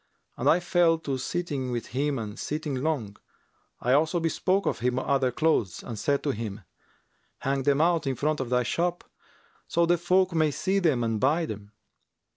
And I fell to sitting with him and sitting long: I also bespoke of him other clothes and said to him, 'Hang them out in front of thy shop, so the folk may see them and buy them.'